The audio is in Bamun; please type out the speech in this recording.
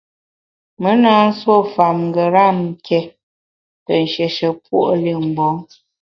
Me na nsuo fam ngeram ké te nshiéshe puo’ li mgbom.